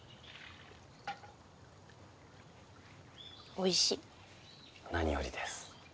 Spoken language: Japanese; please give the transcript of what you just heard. おいしい。何よりです。